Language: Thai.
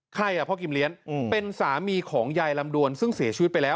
ใครอ่ะพ่อกิมเลี้ยงเป็นสามีของยายลำดวนซึ่งเสียชีวิตไปแล้ว